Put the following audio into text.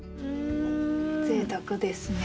ぜいたくですね。